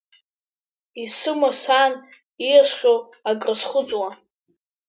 Исыма саан ииасхьоу акрызхыҵуа…